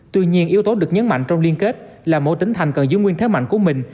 tuy nhiên yếu tố được nhấn mạnh trong liên kết là mỗi tỉnh thành cần giữ nguyên thế mạnh của mình